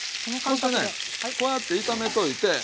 そしてねこうやって炒めといて。